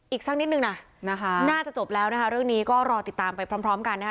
อีกสักนิดนึงนะนะคะน่าจะจบแล้วนะคะเรื่องนี้ก็รอติดตามไปพร้อมกันนะคะ